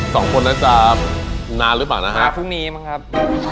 สองคนนั้นจะนานหรือเปล่านะฮะพรุ่งนี้มั้งครับ